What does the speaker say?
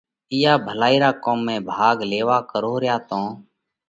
ان اِيئا ڀلائِي را ڪوم ۾ ڀاڳ ليوا ڪروھ ريا تو